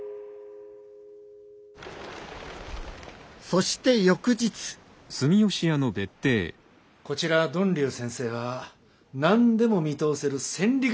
そして翌日こちら呑龍先生は何でも見通せる千里眼の持ち主であらせられます。